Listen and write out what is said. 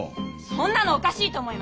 そんなのおかしいと思います。